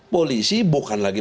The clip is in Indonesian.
polisi bukan lagi